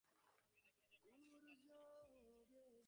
মেঝে পরিষ্কার করার জন্যে কাজের ছেলে কুদ্দুস এসেছিল।